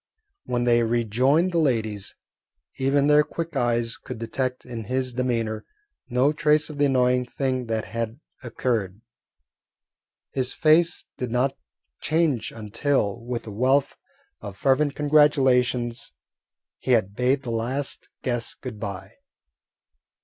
When they rejoined the ladies, even their quick eyes could detect in his demeanour no trace of the annoying thing that had occurred. His face did not change until, with a wealth of fervent congratulations, he had bade the last guest good bye.